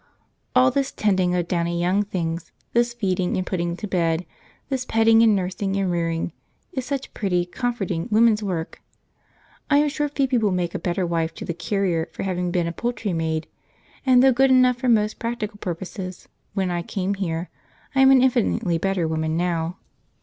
All this tending of downy young things, this feeding and putting to bed, this petting and nursing and rearing, is such pretty, comforting woman's work. I am sure Phoebe will make a better wife to the carrier for having been a poultry maid, and though good enough for most practical purposes when I came here, I am an infinitely better woman now.